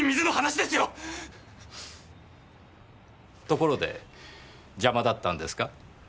ところで邪魔だったんですか？